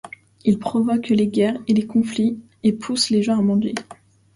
Il provoque les guerres et les conflits et pousse les gens à mendier.